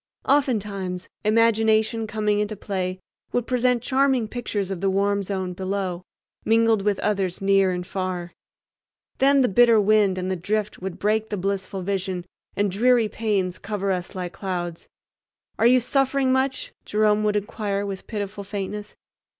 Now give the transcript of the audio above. Oftentimes imagination coming into play would present charming pictures of the warm zone below, mingled with others near and far. Then the bitter wind and the drift would break the blissful vision and dreary pains cover us like clouds. "Are you suffering much?" Jerome would inquire with pitiful faintness.